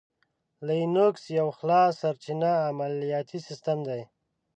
لینوکس یو خلاصسرچینه عملیاتي سیسټم دی.